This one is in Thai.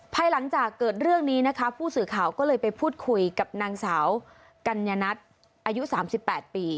ภายหลังจากเกิดเรื่องนี้นะคะผู้สื่อข่าวก็เลยไปพูดคุยกับนางสาวกัญญนัทอายุ๓๘ปี